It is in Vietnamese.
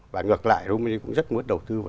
và ngược lại romei cũng rất muốn đầu tư vào